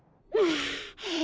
ああ。